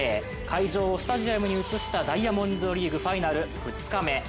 会場をスタジアムに移したダイヤモンドリーグファイナル２日目。